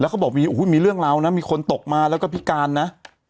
เขาบอกมีเรื่องราวนะมีคนตกมาแล้วก็พิการนะ